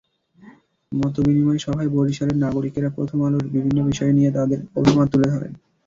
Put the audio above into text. মতবিনিময় সভায় বরিশালের নাগরিকেরা প্রথম আলোর বিভিন্ন বিষয় নিয়ে তাঁদের অভিমত তুলে ধরেন।